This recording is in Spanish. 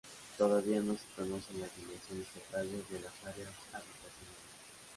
Todavía no se conocen las dimensiones totales de las áreas habitacionales.